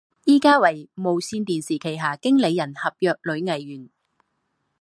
现为无线电视旗下经理人合约女艺员。